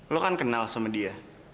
lo kan kenal sama dia